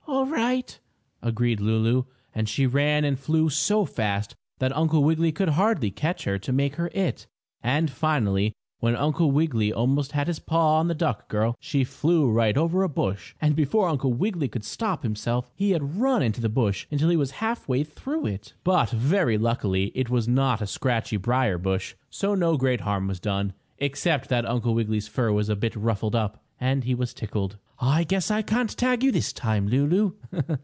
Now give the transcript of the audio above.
"All right," agreed Lulu, and she ran and flew so fast that Uncle Wiggily could hardly catch her to make her "it." And finally when Uncle Wiggily almost had his paw on the duck girl she flew right over a bush, and, before Uncle Wiggily could stop himself he had run into the bush until he was half way through it. [Illustration: Before Uncle Wiggily could stop himself he had run into the bush.] But, very luckily, it was not a scratchy briar bush, so no great harm was done, except that Uncle Wiggily's fur was a bit ruffled up, and he was tickled. "I guess I can't tag you this time, Lulu!"